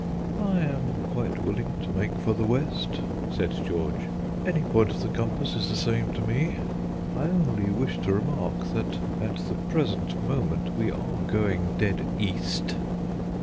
"I am quite willing to make for the west," said George; "any point of the compass is the same to me. I only wish to remark that, at the present moment, we are going dead east."